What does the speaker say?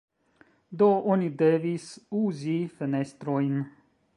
Do oni devis uzi fenestrojn.